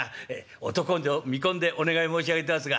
男と見込んでお願い申し上げてますが」。